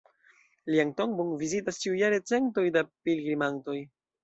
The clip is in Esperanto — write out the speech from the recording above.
Lian tombon vizitas ĉiujare centoj da pilgrimantoj.